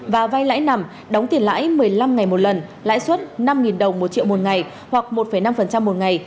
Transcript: và vay lãi nặng đóng tiền lãi một mươi năm ngày một lần lãi suất năm đồng một triệu một ngày hoặc một năm một ngày